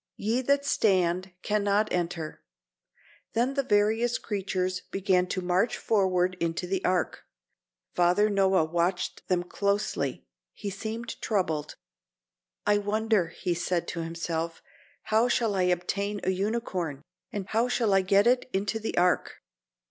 "Ye that stand cannot enter." Then the various creatures began to march forward into the Ark. Father Noah watched them closely. He seemed troubled. "I wonder," he said to himself, "how I shall obtain a unicorn, and how I shall get it into the Ark."